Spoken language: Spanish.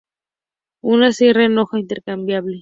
Una sierra con hoja intercambiable.